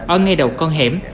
ở ngay đầu con hẻm